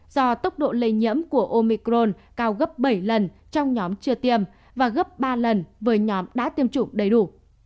do tốc độ lây nhiễm của omicron cao gấp bảy lần trong nhóm chưa tiêm và gấp ba lần với nhóm đã tiêm chủng đầy đủ